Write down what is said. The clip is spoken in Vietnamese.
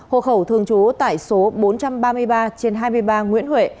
hộ khẩu thường trú tại số bốn trăm ba mươi ba trên hai mươi ba nguyễn huệ